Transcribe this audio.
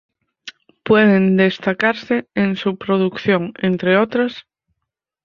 Pueden destacarse en su producción, entre otras:.